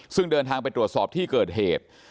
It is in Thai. ซึ่งเดินทางไปตรวจสอบที่เกิดเหตุ